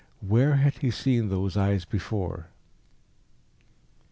Where had he seen those eyes before?